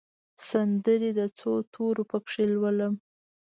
سندرې د څو تورو پکښې لولم